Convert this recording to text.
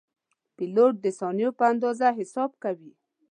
پیلوټ د ثانیو په اندازه حساب کوي.